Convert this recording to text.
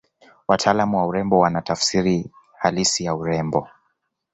wataalamu wa urembo wana tafsiri halisi ya urembo